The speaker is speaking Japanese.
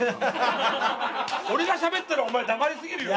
俺が喋ったらお前黙りすぎるよ！